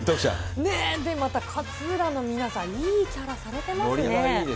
また勝浦の皆さん、いいキャラされてますね。